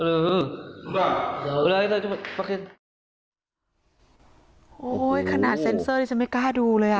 โอ้โหขนาดเซ็นเซอร์ที่ฉันไม่กล้าดูเลยอ่ะ